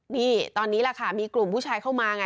นี่ตอนนี้มีกลุ่มผู้ชายเข้ามา